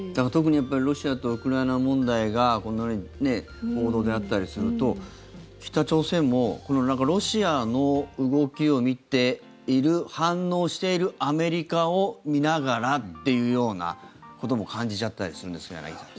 特にロシアとウクライナ問題がこのように報道であったりすると北朝鮮もロシアの動きを見ている反応しているアメリカを見ながらというようなことも感じちゃったりするんですけど。